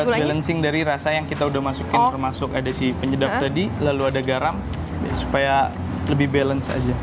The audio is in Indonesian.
kita balancing dari rasa yang kita udah masukin termasuk ada si penyedap tadi lalu ada garam supaya lebih balance aja